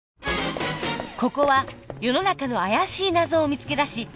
ここは世の中の怪しい謎を見つけ出し